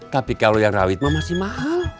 tapi kalau yang rawit mas masih mahal